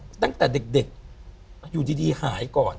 บ๊วยเต้นมาตั้งแต่เด็กอยู่ดีหายก่อน